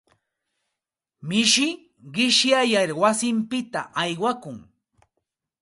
Mishi qishyayar wasinpita aywakun.